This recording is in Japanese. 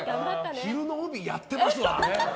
昼の帯やってますわ。